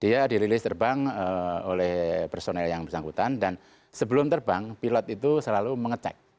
dia dirilis terbang oleh personel yang bersangkutan dan sebelum terbang pilot itu selalu mengecek